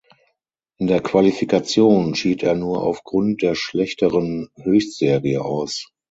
In der Qualifikation schied er nur aufgrund der schlechteren Höchstserie aus.